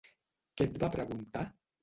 Què et va preguntar?